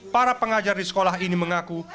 para pengajar di sekolah ini mengaku